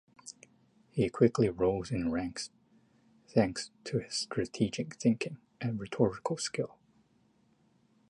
He quickly rose in ranks thanks to his strategic thinking and rhetorical skill.